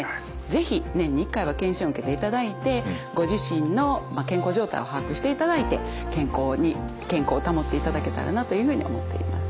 是非年に１回は健診を受けていただいてご自身の健康状態を把握していただいて健康を保っていただけたらなというふうに思っています。